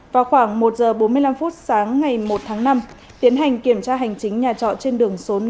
vào khoảng một h bốn mươi năm sáng ngày một tháng năm tiến hành kiểm tra hành chính nhà trọ trên đường số năm